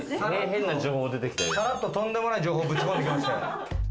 さらっととんでもない情報をぶち込んできましたよ。